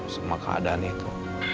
sama keadaan itu